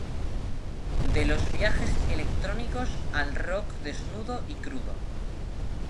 De los viajes electrónicos al rock desnudo y crudo.